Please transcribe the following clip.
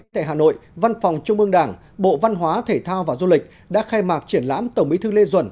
tại hà nội văn phòng trung ương đảng bộ văn hóa thể thao và du lịch đã khai mạc triển lãm tổng bí thư lê duẩn